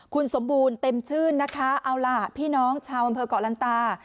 คุณสมบูรณ์เต็มชื่นนะคะเอาล่ะพี่น้องชาวอำเภอกเกาะลันตา